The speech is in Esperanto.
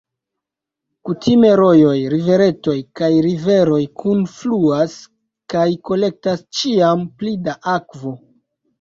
Kutime rojoj, riveretoj kaj riveroj kunfluas kaj kolektas ĉiam pli da akvo.